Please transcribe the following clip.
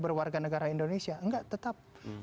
berwarganegara indonesia enggak tetap